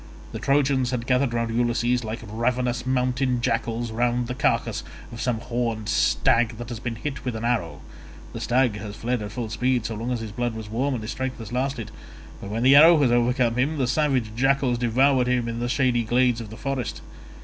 The Trojans had gathered round Ulysses like ravenous mountain jackals round the carcase of some horned stag that has been hit with an arrow—the stag has fled at full speed so long as his blood was warm and his strength has lasted, but when the arrow has overcome him, the savage jackals devour him in the shady glades of the forest.